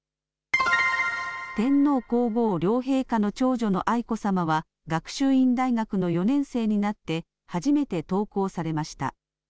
天皇皇后両陛下の長女の愛子さまは学習院大学の４年生になって初めて登校されました。